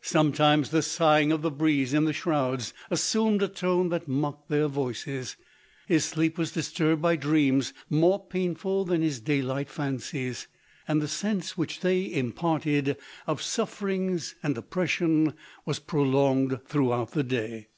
Sometimes the sighing of the breeze in the shrouds assumed a tone that mocked their voices ; his sleep was disturbed by dreams more painful than his day light fancies ; and the sense which they impart ed of suffering and oppression, was prolonged throughout the day.